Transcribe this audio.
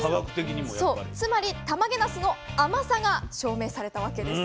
つまりたまげなすの甘さが証明されたわけです。